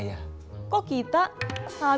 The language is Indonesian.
jadi kita punya